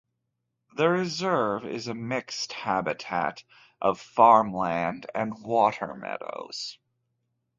The reserve is a mixed habitat of farmland and water-meadows.